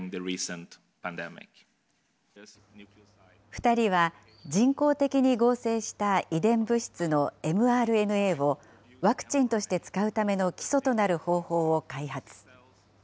２人は人工的に合成した遺伝物質のｍＲＮＡをワクチンとして使うための基礎となる方法を開発。